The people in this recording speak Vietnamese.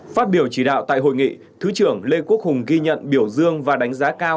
phát biểu chỉ đạo tại hội nghị thứ trưởng lê quốc hùng ghi nhận biểu dương và đánh giá cao